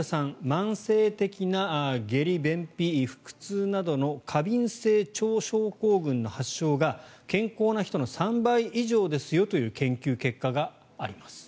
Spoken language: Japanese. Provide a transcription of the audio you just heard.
慢性的な下痢、便秘、腹痛などの過敏性腸症候群の発症が健康な人の３倍以上ですよという研究結果があります。